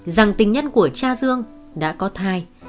rằng tình nhân của cha dương đã có thai